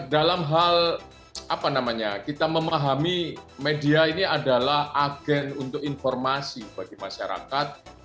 dalam hal apa namanya kita memahami media ini adalah agen untuk informasi bagi masyarakat